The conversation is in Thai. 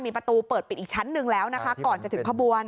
มีประตูเปิดปิดอีกชั้นหนึ่งแล้วนะคะก่อนจะถึงขบวน